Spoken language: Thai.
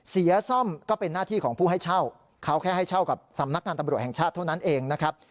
ซ่อมก็เป็นหน้าที่ของผู้ให้เช่าเขาแค่ให้เช่ากับสำนักงานตำรวจแห่งชาติเท่านั้นเองนะครับ